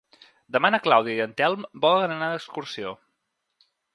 Demà na Clàudia i en Telm volen anar d'excursió.